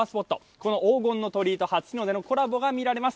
この黄金の鳥居と初日の出のコラボがみられます。